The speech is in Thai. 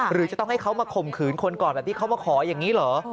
หรือจะต้องให้เขามาข่มขืนคนก่อนแบบที่เขามาขออย่างนี้เหรอ